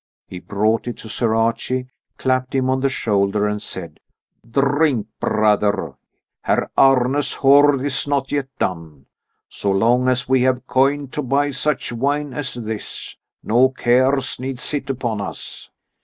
He brought it to Sir Archie, clapped him on the shoulder and said: "Drink, brother! Herr Arne's hoard is not yet done. So long as we have coin to buy such wine as this, no cares need sit upon us."